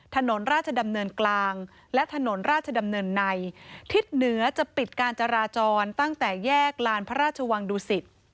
ถนนราชดำเนินกลางและถนนราชดำเนินในทิศเหนือจะปิดการจราจรตั้งแต่แยกลานพระราชวังดุสิต